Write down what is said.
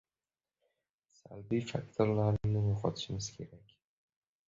Salbiy faktorlarni yo‘qotishimiz kerak.